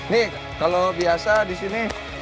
nih kalau biasa di sini